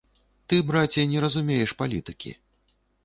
Ты, браце, не разумееш палітыкі.